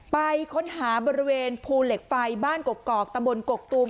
ไปค้นหาบริเวณภูเหล็กไฟบ้านกกอกตะบนกกตูม